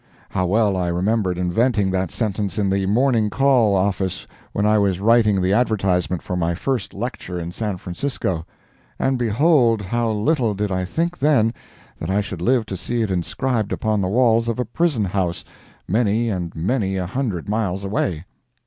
"' How well I remembered inventing that sentence in the Morning Call office when I was writing the advertisement for my first lecture in San Francisco—and behold how little did I think then that I should live to see it inscribed upon the walls of a prison house, many and many a hundred miles away!